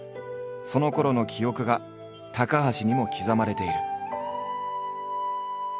そのころの記憶が高橋にも刻まれている。